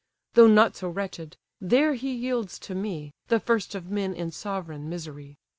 Though not so wretched: there he yields to me, The first of men in sovereign misery!